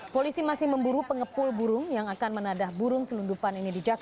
polisi masih memburu pengepul burung yang akan menadah burung selundupan ini di jakarta